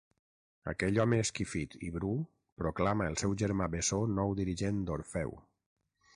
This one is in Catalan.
Aquell home esquifit i bru proclama el seu germà bessó nou dirigent d'Orfeu.